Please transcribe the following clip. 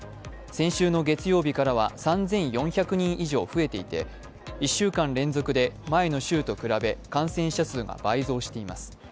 先週の月曜日からは３４００人以上増えていて１週間連続で前の週と比べ、感染者数が倍増しています。